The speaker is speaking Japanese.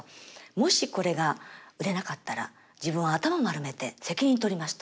「もしこれが売れなかったら自分は頭丸めて責任取ります」と。